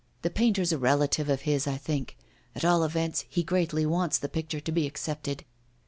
The painter's a relative of his, I think; at all events, he greatly wants the picture to be accepted.